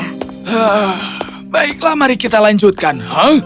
haa baiklah mari kita lanjutkan hah